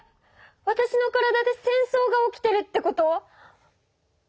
わたしの体で戦争が起きてるってこと？